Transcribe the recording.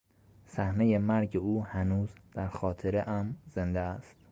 صحنهی مرگ او هنوز در خاطرهام زنده است.